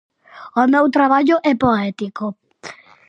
O meu traballo é poético.